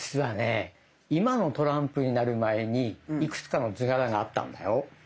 今のトランプになる前にいくつかの図柄があったんだよ。